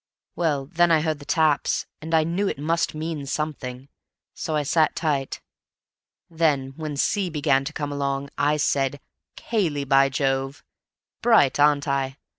Well, then I heard the taps, and I knew it must mean something, so I sat tight. Then when C began to come along I said, 'Cayley, b'Jove'—bright, aren't I?